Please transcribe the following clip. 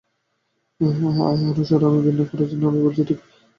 আরে, সরো আমি ভিড় না করার জন্য বলছি, ঠিক আছে?